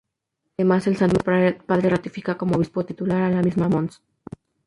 Además, el Santo Padre ratifica como obispo Titular de la misma a mons.